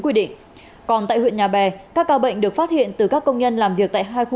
quy định còn tại huyện nhà bè các ca bệnh được phát hiện từ các công nhân làm việc tại hai khu